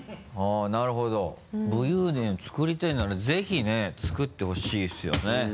はぁなるほど武勇伝をつくりたいならぜひねつくってほしいですよね。